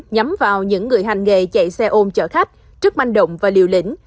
nhắm vào những người hành nghề chạy xe ôm chở khách rất manh động và liều lĩnh